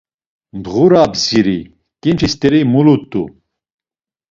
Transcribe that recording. Ndğura bdziri, ǩinç̌i st̆eri mulut̆u.